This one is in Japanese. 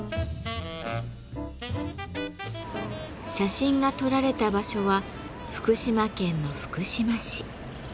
写真が撮られた場所は福島県の福島市。